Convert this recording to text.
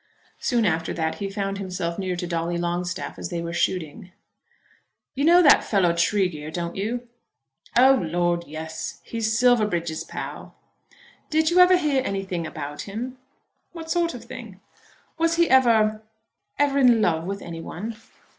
Soon after that he found himself near to Dolly Longstaff as they were shooting. "You know that fellow Tregear, don't you?" "Oh Lord, yes. He is Silverbridge's pal." "Did you ever hear anything about him?" "What sort of thing?" "Was he ever ever in love with any one?"